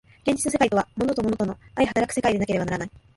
現実の世界とは物と物との相働く世界でなければならない。